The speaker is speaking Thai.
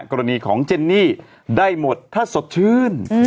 กรณีของเจนนี่ได้หมดถ้าสดชื่น